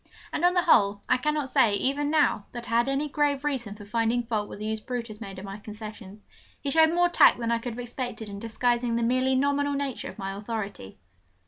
And on the whole, I cannot say, even now, that I had any grave reason for finding fault with the use Brutus made of my concessions; he showed more tact than I could have expected in disguising the merely nominal nature of my authority.